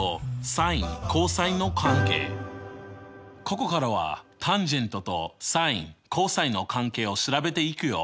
ここからはタンジェントとサイン・コサインの関係を調べていくよ。